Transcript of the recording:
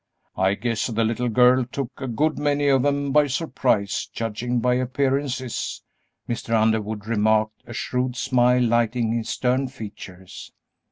"I guess the little girl took a good many of 'em by surprise, judging by appearances," Mr. Underwood remarked, a shrewd smile lighting his stern features.